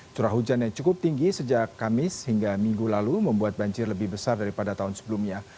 curah hujan yang cukup tinggi sejak kamis hingga minggu lalu membuat banjir lebih besar daripada tahun sebelumnya